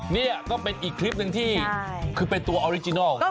นี่ก็เป็นอีกคลิปหนึ่งที่คือเป็นตัวออริจินัล